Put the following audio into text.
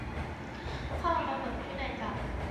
ข้อกำหนดพินัยกรรม